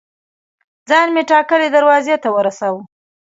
ځان مې ټاکلي دروازې ته ورساوه.